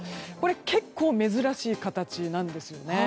結構、珍しい形なんですよね。